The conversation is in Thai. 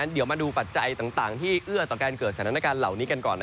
เดี๋ยวมาดูปัจจัยต่างที่เอื้อต่อการเกิดสถานการณ์เหล่านี้กันก่อน